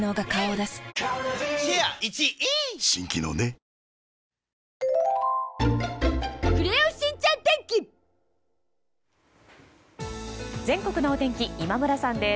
ニトリ全国のお天気今村さんです。